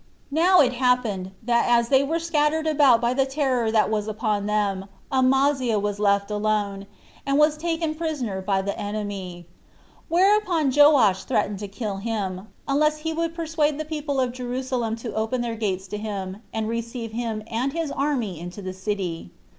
Now it happened, that as they were scattered about by the terror that was upon them, Amaziah was left alone, and was taken prisoner by the enemy; whereupon Joash threatened to kill him, unless he would persuade the people of Jerusalem to open their gates to him, and receive him and his army into the city.